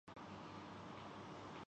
پی P P کے وزیر خزانہ نہیں رہ چکے؟